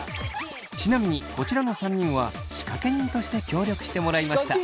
ちなみにこちらの３人は仕掛け人として協力してもらいました。